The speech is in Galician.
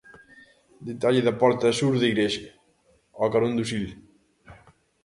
Detalle da porta sur da igrexa, ao carón do Sil.